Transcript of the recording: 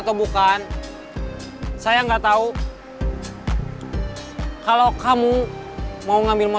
itu masih ada kembaliannya